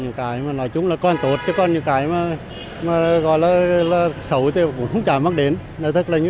nói chung là còn tốt chứ còn những cái mà gọi là xấu thì cũng chả mắc đến